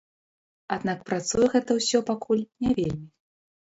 Аднак працуе гэта ўсё пакуль не вельмі.